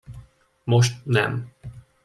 Most nem!